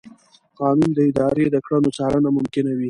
قانون د ادارې د کړنو څارنه ممکنوي.